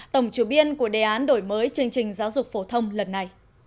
tổng chủ biên của đề án đổi mới chương trình giáo dục phổ thông lần này